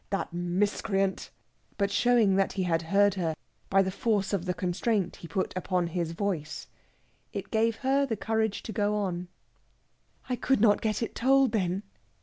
that miscreant!" but showing that he had heard her by the force of the constraint he put upon his voice. It gave her courage to go on. "I could not get it told then.